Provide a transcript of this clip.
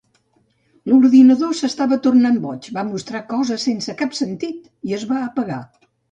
L'ordinador s'estava tornant boig, va mostrar coses sense cap sentit i es va apagar.